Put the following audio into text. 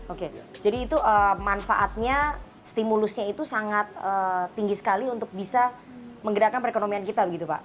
oke jadi itu manfaatnya stimulusnya itu sangat tinggi sekali untuk bisa menggerakkan perekonomian kita begitu pak